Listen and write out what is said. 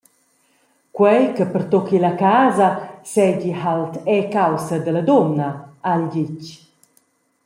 Quei che pertucchi la casa seigi halt era caussa dalla dunna, ha el detg.